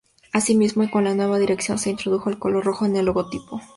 Asimismo, y con la nueva dirección, se introdujo el color rojo en el logotipo.